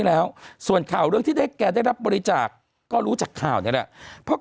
แล้วส่วนข่าวเรื่องที่ได้แกได้รับบริจาคก็รู้จากข่าวนี่แหละเพราะ